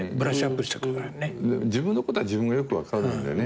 自分のことは自分がよく分かるんだよね。